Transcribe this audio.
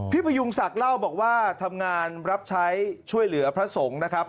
พยุงศักดิ์เล่าบอกว่าทำงานรับใช้ช่วยเหลือพระสงฆ์นะครับ